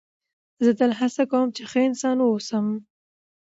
زه تل هڅه کوم، چي ښه انسان واوسم.